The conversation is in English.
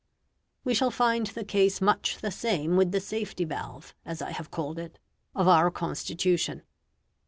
We shall find the case much the same with the safety valve, as I have called it, of our Constitution.